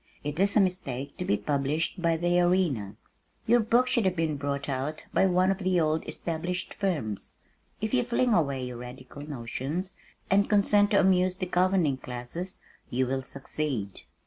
"It is a mistake to be published by the Arena. Your book should have been brought out by one of the old established firms. If you will fling away your radical notions and consent to amuse the governing classes, you will succeed."